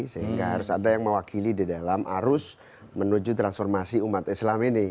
sehingga harus ada yang mewakili di dalam arus menuju transformasi umat islam ini